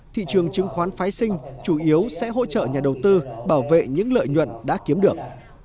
thị trường chứng khoán phái sinh chủ yếu sẽ hỗ trợ nhà đầu tư bảo vệ những lợi nhuận đã kiếm được